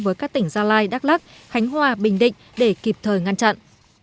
với các tỉnh gia lai đắk lắc khánh hòa bình định để kịp thời ngăn chặn